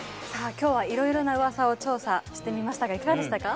今日はいろいろなウワサを調査してみましたがいかがでしたか？